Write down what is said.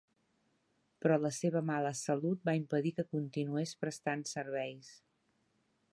Però la seva mala salut va impedir que continués prestant serveis.